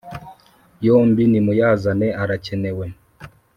yombi nimuyazane arakenewe